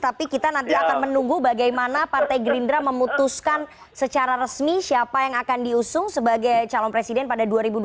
tapi kita nanti akan menunggu bagaimana partai gerindra memutuskan secara resmi siapa yang akan diusung sebagai calon presiden pada dua ribu dua puluh